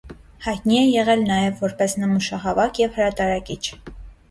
Հայտնի է եղել նաև որպես նմուշահավաք և հրատարակիչ։